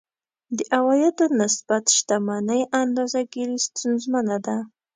د عوایدو نسبت شتمنۍ اندازه ګیري ستونزمنه ده.